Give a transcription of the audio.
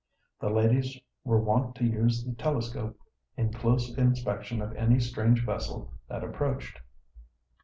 The ladies were wont to use the telescope in close inspection of any strange vessel that approached.